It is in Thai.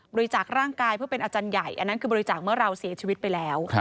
จากร่างกายเพื่อเป็นอาจารย์ใหญ่อันนั้นคือบริจาคเมื่อเราเสียชีวิตไปแล้ว